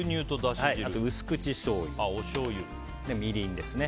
あとは薄口しょうゆみりんですね。